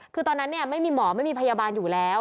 คือตอนนั้นไม่มีหมอไม่มีพยาบาลอยู่แล้ว